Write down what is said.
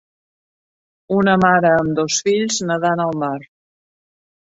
Una mare amb dos fills nedant al mar.